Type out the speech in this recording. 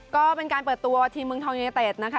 ก็เป็นการเปิดตัวทีมเมืองทองยูเนเต็ดนะคะ